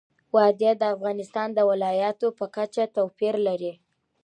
وادي د افغانستان د ولایاتو په کچه توپیر لري.